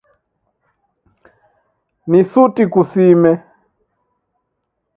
Ni suti kusime.